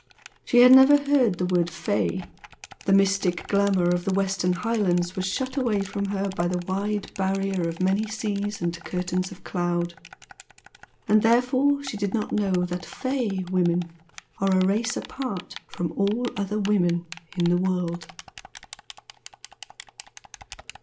She had never heard the word "fey." The mystic glamour of the Western Highlands was shut away from her by the wide barrier of many seas and curtains of cloud. And therefore she did not know that "fey" women are a race apart from all other women in the world.